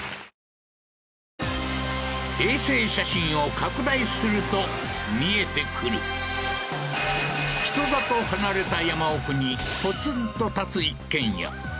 衛星写真を拡大すると見えてくる人里離れた山奥にポツンと建つ一軒家。